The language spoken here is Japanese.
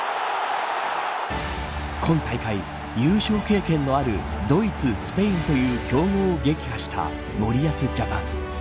今大会、優勝経験のあるドイツ、スペインという強豪を撃破した森保ジャパン。